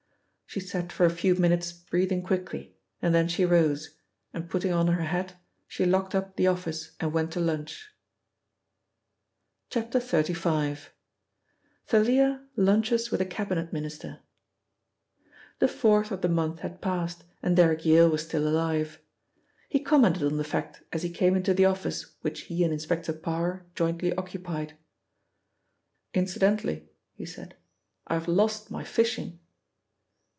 She sat for a few minutes breathing quickly, and then she rose, and putting on her hat, she locked up the office, and went to lunch. XXXV. — THALIA LUNCHES WITH A CABINET MINISTER THE fourth of the month had passed, and Derrick Yale was still alive. He commented on the fact as he came into the office which he and Inspector Parr jointly occupied. "Incidentally," he said, "I have lost my fishing."